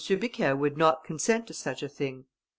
Bucquet would not consent to such a thing.